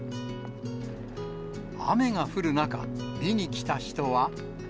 雨が降る中、見に来た人は。